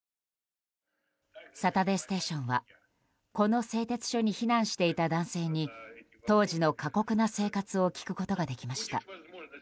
「サタデーステーション」はこの製鉄所に避難していた男性に当時の過酷な生活を聞くことができました。